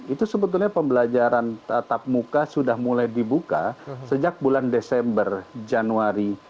itu sebetulnya pembelajaran tatap muka sudah mulai dibuka sejak bulan desember januari